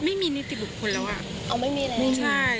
อ๋อไม่มีเรื่องไม่มี